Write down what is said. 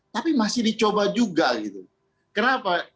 tapi masih dicoba juga gitu kenapa